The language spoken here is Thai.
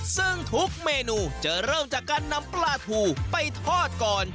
ซึ่งทุกเมนูจะเริ่มจากการนำปลาทูไปทอดก่อน